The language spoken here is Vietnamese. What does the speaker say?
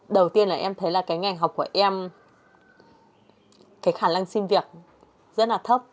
đầu tiên là em thấy là cái ngành học của em cái khả năng xin việc rất là thấp